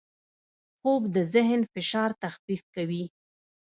خوب د ذهن فشار تخفیف کوي